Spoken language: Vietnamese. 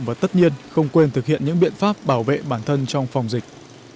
và tất nhiên không quên thực hiện những biện pháp bảo vệ bản thân trong phòng dịch